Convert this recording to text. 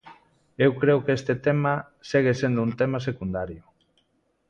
Eu creo que este tema segue sendo un tema secundario.